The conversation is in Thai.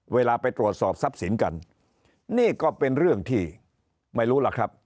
เวลาไปตรวจสอบทรัพย์สินกันนี่ก็เป็นเรื่องที่ไม่รู้ล่ะครับ